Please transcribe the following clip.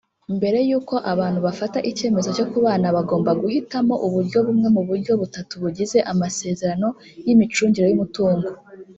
mbere yuko abantu bafata icyemezo cyo kubana bagomba guhitamo uburyo bumwe mu buryo butatu bugize amasezerano y’imicungire y’umutungo.